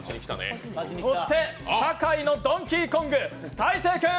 そして堺のドンキーコング、大晴君。